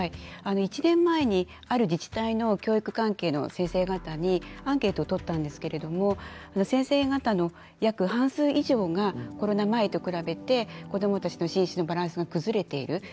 １年前にある自治体の教育関係の先生方にアンケートをとったんですが先生方の約半数以上がコロナ前と比べて子どものバランスが崩れている。